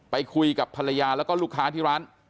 ไปคุยกับภรรยาแล้วก็ลูกค้าที่ร้าน